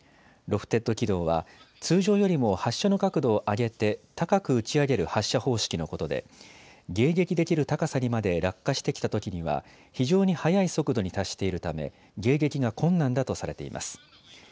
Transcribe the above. ロフテッド軌道は通常よりも発射の角度を上げて高く打ち上げる発射方式のことで迎撃できる高さにまで落下してきたときには非常に速い速度に達しているため迎撃が困難だとされています。